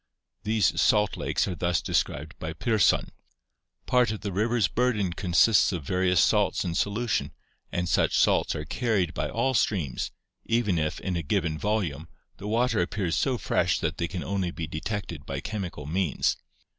These salt lakes are thus described by Pirsson: Part of the river's burden "consists of various salts in solution and such salts are carried by all streams, even if, in a given volume, the water appears so fresh that they can only be detected by chemical means.